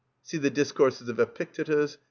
See the "Discourses of Epictetus," ii.